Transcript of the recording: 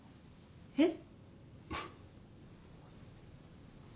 えっ？